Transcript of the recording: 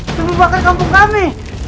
semua bakar kampung kami